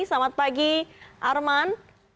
selamat pagi arman